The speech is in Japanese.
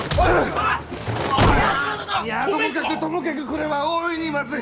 平八郎殿！いやともかくともかくこれは大いにまずい！